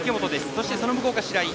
そして、その向こうが白井。